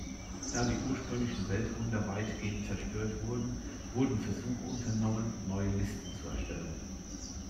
Da die ursprünglichen Weltwunder weitgehend zerstört wurden, wurden Versuche unternommen, neue Listen zu erstellen.